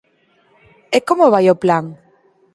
E como vai o plan?